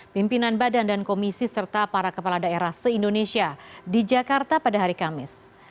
pimpinan badan dan komisi serta para kepala daerah se indonesia di jakarta pada hari kamis